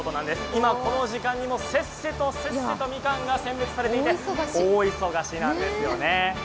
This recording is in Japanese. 今、この時間にもせっせ、せっせとみかんが選別されて、大忙しなんですよね。